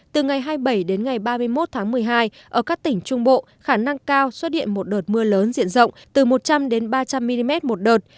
từ ngày hai mươi bảy đến ngày ba mươi một tháng một mươi hai ở các tỉnh trung bộ khả năng cao xuất hiện một đợt mưa lớn diện rộng từ một trăm linh đến ba trăm linh mm một đợt